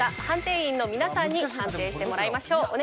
判定員の皆さんに判定してもらいましょう。